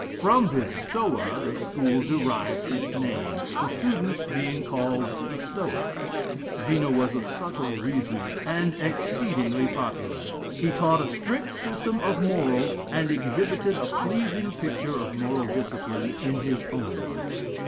From this Stoa the school derived its name, the students being called the Stoics. Zeno was a subtle reasoner, and exceedingly popular. He taught a strict system of morals and exhibited a pleasing picture of moral discipline in his own life.